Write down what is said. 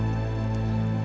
ya pak adrian